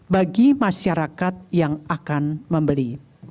bagi masyarakat yang akan membeli